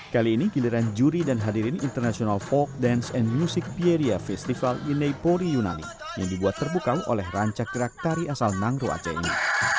kali ini giliran juri dan hadirin international folk dance and music vieria festival inai pori yunani yang dibuat terbuka oleh rancak gerak tari asal nangro aceh ini